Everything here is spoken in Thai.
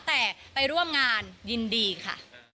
แต่ไปร่วมงานยินดีค่ะ